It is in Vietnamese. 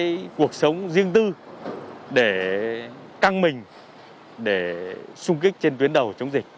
hy sinh cái cuộc sống riêng tư để căng mình để sung kích trên tuyến đầu chống dịch